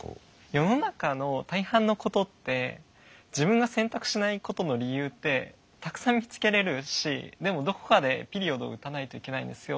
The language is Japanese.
世の中の大半のことって自分が選択しないことの理由ってたくさん見つけれるしでもどこかでピリオド打たないといけないんですよ。